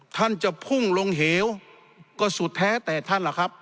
ท่านจะพุ่งลงเหวก็สุดแท้แต่ท่านล่ะครับ